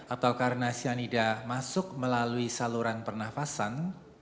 atau karena cyanida masuk melalui saluran pernafasan